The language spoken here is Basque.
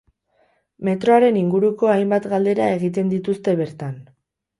Metroaren inguruko hainbat galdera egiten dituzte bertan.